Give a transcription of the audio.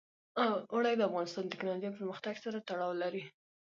اوړي د افغانستان د تکنالوژۍ پرمختګ سره تړاو لري.